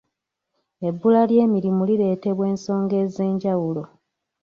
Ebbula ly'emirimu lireetebwa ensonga ez'enjawulo.